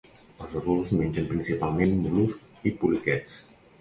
Els adults mengen principalment mol·luscs i poliquets.